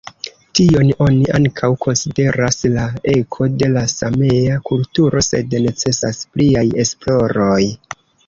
Tion oni ankaŭ konsideras la eko de la Samea kulturo, sed necesas pliaj esploroj.